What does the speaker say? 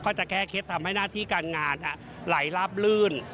จะแก้เคล็ดทำให้หน้าที่การงานไหลลาบลื่น